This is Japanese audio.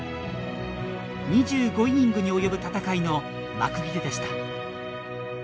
２５イニングに及ぶ戦いの幕切れでした。